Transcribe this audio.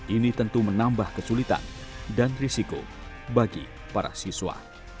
ini tentu menambah kesulitan dan risiko bagi para siswa